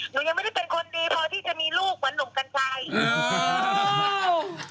หนูยังไม่ได้เป็นคนดีพอที่จะมีลูกเหมือนหนุ่มกัญชัย